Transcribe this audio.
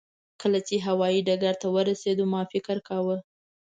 کله چې هوایي ډګر ته ورسېدو ما فکر کاوه.